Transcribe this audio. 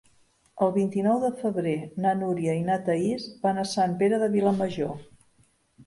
El vint-i-nou de febrer na Núria i na Thaís van a Sant Pere de Vilamajor.